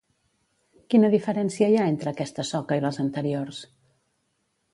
Quina diferència hi ha entre aquesta soca i les anteriors?